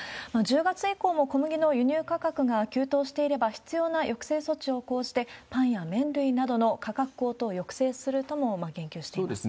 １０月以降も小麦の輸入価格が急騰していれば、必要な抑制措置を講じて、パンや麺類などの価格高騰を抑制するとも言及しています。